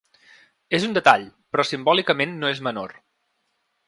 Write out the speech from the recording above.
És un detall, però simbòlicament no és menor.